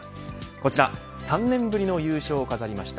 こちら３年ぶりの優勝を飾りました